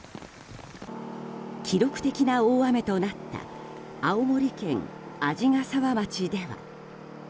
記録的な大雨となった青森県鰺ヶ沢町では。